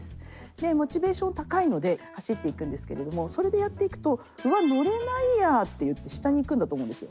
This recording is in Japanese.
でモチベーション高いので走っていくんですけれどもそれでやっていくと「うわっ乗れないや」っていって下に行くんだと思うんですよ。